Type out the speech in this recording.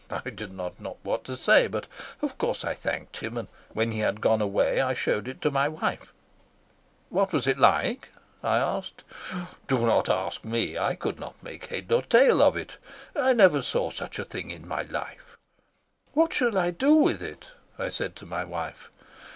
I did not know what to say, but of course I thanked him, and when he had gone away I showed it to my wife." "What was it like?" I asked. "Do not ask me. I could not make head or tail of it. I never saw such a thing in my life. 'What shall we do with it?' I said to my wife.